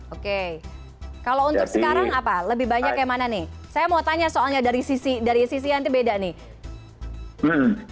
oke kalau untuk sekarang apa lebih banyak yang mana nih saya mau tanya soalnya dari sisi nanti beda nih